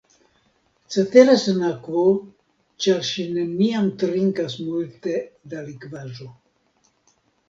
Cetere sen akvo, ĉar ŝi neniam trinkas multe da likvaĵo.